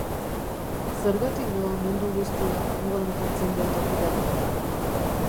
Zergatik doa mundu guztia modan jartzen den tokira?